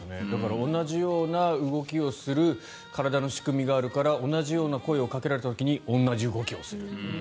同じような動きをする体の仕組みがあるから同じような、声をかけられた時に同じ動きをする。